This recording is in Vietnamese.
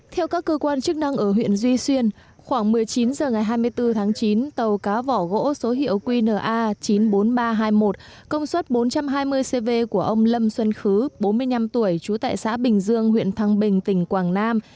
theo các cơ quan chức năng ở huyện duy xuyên khoảng một mươi chín h ngày hai mươi bốn tháng chín tàu cá vỏ gỗ số hiệu qna chín mươi bốn nghìn ba trăm hai mươi một công suất bốn trăm hai mươi cv của ông lâm xuân khứ bốn mươi năm tuổi trú tại xã bình dương huyện thăng bình tỉnh quảng nam